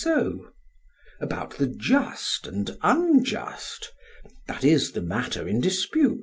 SOCRATES: About the just and unjust that is the matter in dispute?